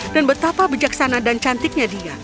betapa bijaksana dan cantiknya dia